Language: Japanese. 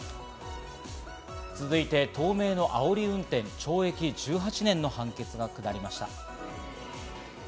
続いて東名のあおり運転、懲役１８年の判決が下りました。